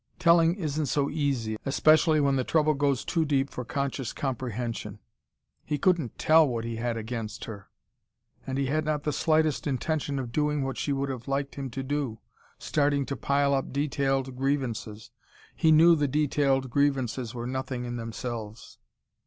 Telling isn't so easy especially when the trouble goes too deep for conscious comprehension. He couldn't tell what he had against her. And he had not the slightest intention of doing what she would have liked him to do, starting to pile up detailed grievances. He knew the detailed grievances were nothing in themselves.